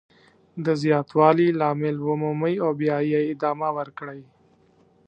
د زیاتوالي لامل ومومئ او بیا یې ادامه ورکړئ.